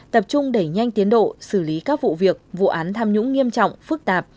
tập trung đẩy nhanh tiến độ xử lý các vụ việc vụ án tham nhũng nghiêm trọng phức tạp